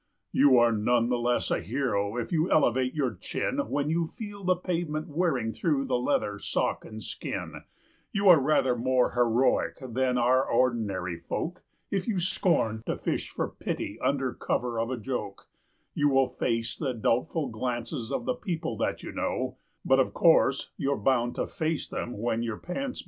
You are none the less a hero if you elevate your chin When you feel the pavement wearing through the leather, sock and skin; You are rather more heroic than are ordinary folk If you scorn to fish for pity under cover of a joke; You will face the doubtful glances of the people that you know ; But of course, you're bound to face them when your pants begin to go.